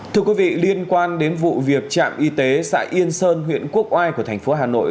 thưa quý vị liên quan đến vụ việc trạm y tế xã yên sơn huyện quốc oai của thành phố hà nội